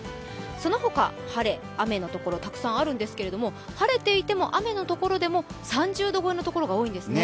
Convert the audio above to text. そのほか、晴れ、雨の所たくさんあるんですけども、晴れていても雨のところでも３０度超えのところが多いんですね。